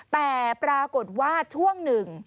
แต่ปรากฏว่าช่วงหนึ่ง